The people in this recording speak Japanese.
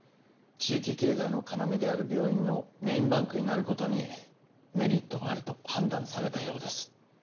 地域経済の要である病院のメインバンクになることにメリットがあると判断されたようです。